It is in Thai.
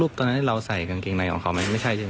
ตอนนั้นเราใส่กางเกงในของเขาไหมไม่ใช่ใช่ไหม